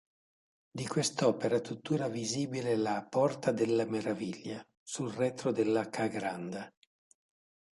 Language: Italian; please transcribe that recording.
Di quest'opera è tuttora visibile la "Porta della Meraviglia" sul retro della Ca' Granda.